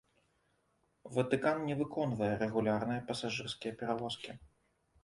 Ватыкан не выконвае рэгулярныя пасажырскія перавозкі.